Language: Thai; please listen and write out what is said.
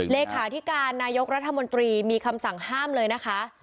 เลขาธิการนายกรัฐมนตรีมีคำสั่งห้ามเลยนะคะ